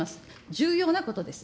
重要なことです。